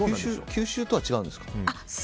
吸収とは違うんですか？